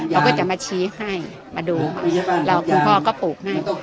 เราก็จะมาชี้ให้มาดูแล้วคุณพ่อก็ปลูกให้